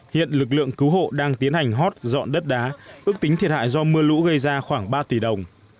hiện lực lượng cứu hộ đang tiến hành hót dọn đất đá ước tính thiệt hại do mưa lũ gây ra khoảng ba tỷ đồng